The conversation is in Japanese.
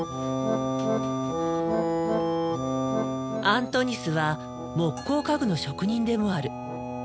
アントニスは木工家具の職人でもある。